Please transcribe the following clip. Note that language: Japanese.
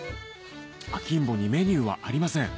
アキンボにメニューはありません